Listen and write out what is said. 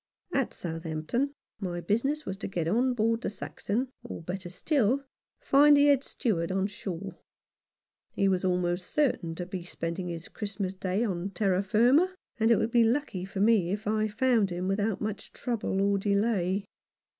At Southampton my business was to get on board the Saxon, or, better still, to find the Head Steward on shore. He was almost certain to be spending his Christmas Day on terra firma, and it would be lucky for me if I found him without much trouble or delay.